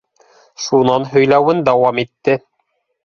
Шунан һөйләүен дауам итте.